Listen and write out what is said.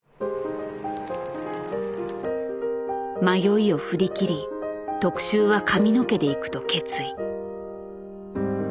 迷いを振り切り特集は髪の毛でいくと決意。